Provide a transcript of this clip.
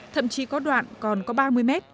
thậm chí có đoạn còn có ba mươi m